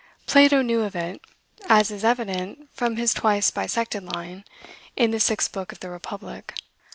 Plato knew of it, as is evident from his twice bisected line, in the sixth book of the Republic.